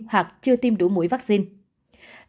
hoặc chưa tiêm đủ mũi vaccine